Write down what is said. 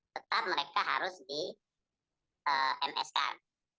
tetap mereka harus di ms kan